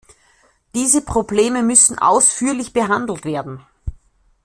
Diese Probleme müssen ausführlich behandelt werden.